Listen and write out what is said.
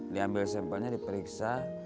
diambil sampelnya diperiksa